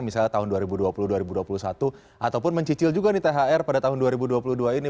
misalnya tahun dua ribu dua puluh dua ribu dua puluh satu ataupun mencicil juga nih thr pada tahun dua ribu dua puluh dua ini